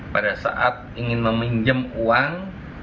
pada saat ingin meminjam uang